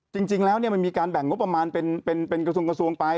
จริงแล้วมันมีการแบ่งงบประมาณเป็นกระทรวงกระทรวงไป